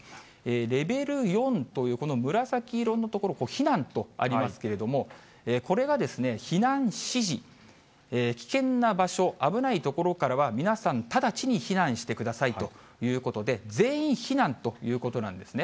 レベル４というこの紫色の所、避難とありますけれども、これが避難指示、危険な場所、危ない所からは皆さん、直ちに避難してくださいということで、全員避難ということなんですね。